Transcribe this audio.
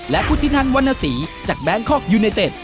และพุทธินันวรรณสีจากแบงคอกยูเนเต็ด